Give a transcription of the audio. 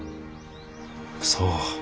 そう。